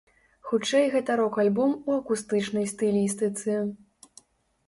Хутчэй гэта рок-альбом у акустычнай стылістыцы.